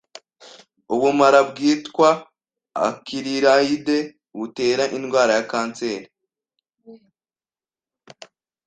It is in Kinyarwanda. ubumara bwitwa akiriraide butera indwara ya kanseri.